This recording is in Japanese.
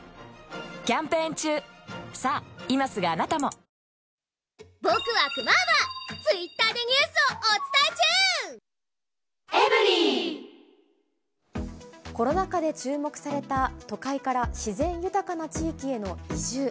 深く、深くおわび申し上げまコロナ禍で注目された都会から自然豊かな地域への移住。